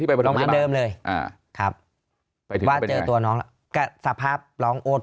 ไปโรงพยาบาลเดิมเลยอ่าครับว่าเจอตัวน้องแล้วก็สภาพร้องโอ๊ต